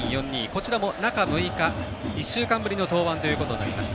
こちらも中６日１週間ぶりの登板となります。